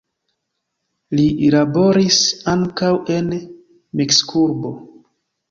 Li laboris ankaŭ en Meksikurbo.